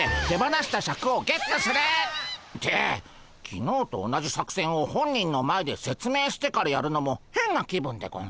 きのうと同じ作戦を本人の前で説明してからやるのもへんな気分でゴンス。